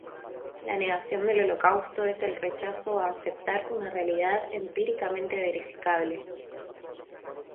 La negación del Holocausto es "el rechazo a aceptar una realidad empíricamente verificable.